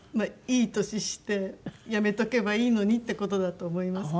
いい年してやめとけばいいのにって事だと思います。